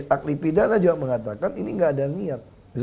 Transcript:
akli pidana juga mengatakan ini tidak ada niat